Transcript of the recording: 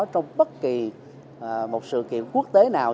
trong bất kỳ một sự kiện quốc tế nào